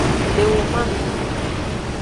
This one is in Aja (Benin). Le woman me.